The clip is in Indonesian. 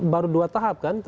baru dua tahap kan